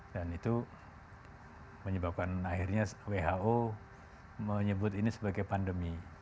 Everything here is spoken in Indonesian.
dan itu menyebabkan akhirnya who menyebut ini sebagai pandemi